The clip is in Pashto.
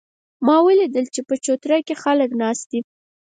ما ولیدل چې په چوتره کې خلک ناست دي